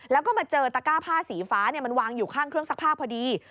แล้วก็มาเจอตะก้าผ้าสีฟ้ามันวางอยู่ข้างเครื่องซักผ้าพอดี